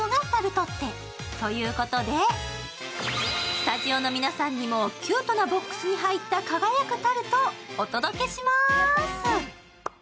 スタジオの皆さんにもキュートなボックスに入った輝くタルトをお届けしまーす。